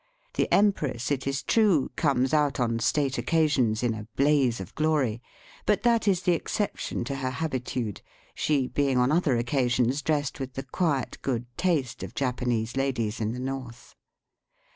The empress, it is true, comes out on state occasions in a blaze of glory. But that is the exception to her habitude, she being on other occasions dressed with the quiet good taste of Japanese ladies in the north.